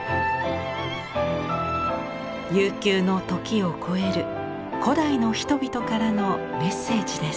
悠久の時を超える古代の人々からのメッセージです。